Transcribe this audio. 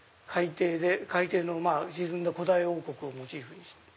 海底の沈んだ古代王国をモチーフに。